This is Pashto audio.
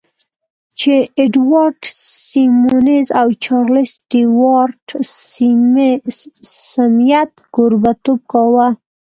جې اډوارډ سیمونز او چارلیس سټیوارټ سمیت کوربهتوب کاوه